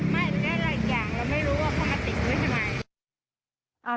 ไม่และอีกอย่างเราไม่รู้ว่าเขามาติดไว้ทำไม